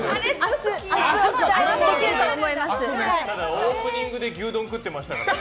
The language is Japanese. オープニングで牛丼食ってましたからね。